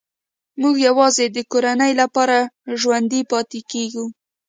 موږ یوازې د کورنۍ لپاره ژوندي پاتې کېږو